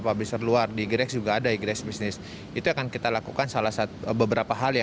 publisher luar di gres juga ada igres bisnis itu akan kita lakukan salah satu beberapa hal